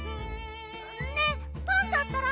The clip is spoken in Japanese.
ねえパンタったら！